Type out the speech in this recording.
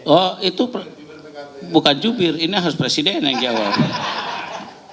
oh itu bukan jubir ini harus presiden yang jawab